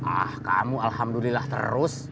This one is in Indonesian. ah kamu alhamdulillah terus